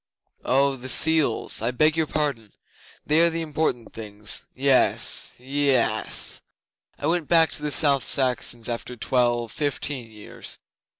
'Oh, the seals! I beg your pardon. They are the important things. Yes yess! I went back to the South Saxons after twelve fifteen years.